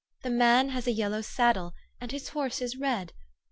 The man has a yellow saddle, and his horse is red.